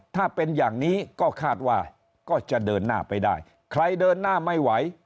ถ้าเป็นอย่างนี้ก็คาดว่าก็จะเดินหน้าไปได้